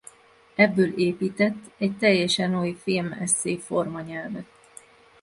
Ebből épített egy teljesen új filmesszé-formanyelvet.